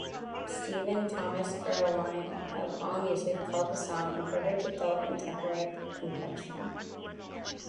Stephen Thomas Erlewine of Allmusic called the song a "perfect adult contemporary confection".